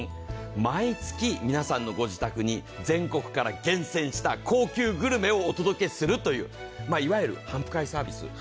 毎月皆さんのご自宅に全国から厳選した高級グルメをお届けするという、いわゆる頒布会サービス。